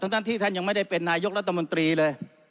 ทั้งที่ท่านยังไม่ได้เป็นนายกรัฐมนตรีเลย